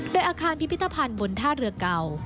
โดยอาคารพิพิธภัณฑ์บนท่าเรือเก่า